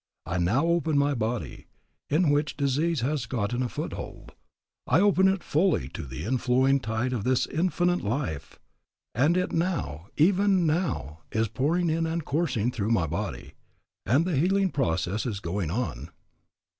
I now open my body, in which disease has gotten a foothold, I open it fully to the inflowing tide of this Infinite Life, and it now, even now, is pouring in and coursing through my body, and the healing process is going on.